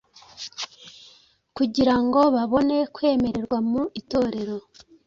kugira ngo babone kwemerwa mu Itorero,